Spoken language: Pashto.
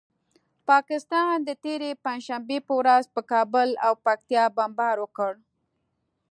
پاکستان د تېرې پنجشنبې په ورځ پر کابل او پکتیکا بمبار وکړ.